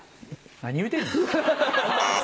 何言うてんねん。